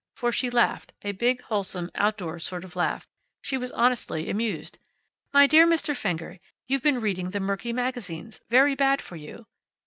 For she laughed, a big, wholesome, outdoors sort of laugh. She was honestly amused. "My dear Mr. Fenger, you've been reading the murky magazines. Very bad for you."